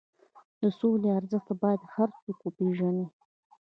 د سولې ارزښت باید هر څوک وپېژني.